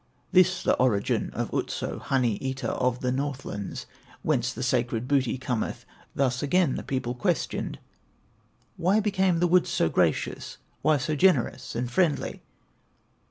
This the origin of Otso, Honey eater of the Northlands, Whence the sacred booty cometh." Thus again the people questioned: "Why became the woods so gracious, Why so generous and friendly?